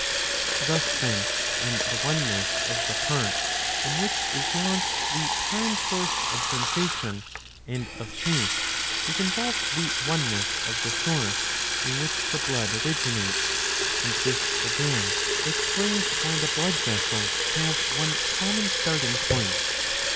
Thus, then, in the one ness of the part in which is lodged the prime source of sensation and of heat is involved the one ness of the source in which the blood originates ; and this, again, explains why the blood vessels have one common starting point.